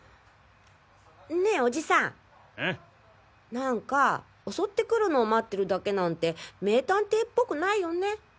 なんか襲ってくるのを待ってるだけなんて名探偵っぽくないよね？